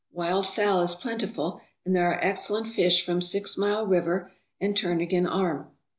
Wild fowl is plentiful and there are excellent fish from Six Mile River and Turn again Arm.